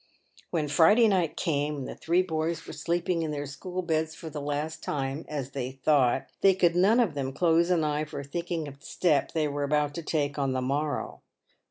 When Friday night came, and the three boys were sleeping in their school beds for the last time, as they thought, they could none of them close an eye for thinking of the step they were about to take on the morrow.